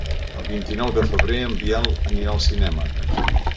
El vint-i-nou de febrer en Biel anirà al cinema.